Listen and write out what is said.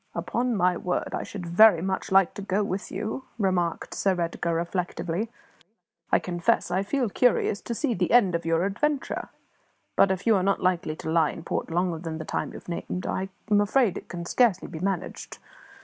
"Upon my word, I should very much like to go with you," remarked Sir Edgar, reflectively. "I confess I feel curious to see the end of your adventure; but if you are not likely to lie in port longer than the time you have named, I am afraid it can scarcely be managed.